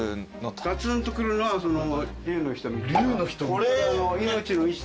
ガツンとくるのは龍の瞳。